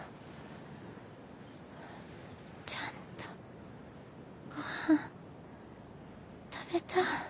ちゃんとご飯食べた？